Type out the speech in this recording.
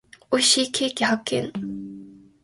美味しいケーキ発見。